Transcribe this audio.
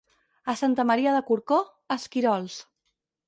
A Santa Maria de Corcó, esquirols.